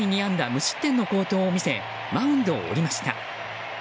無失点の好投を見せマウンドを降りました。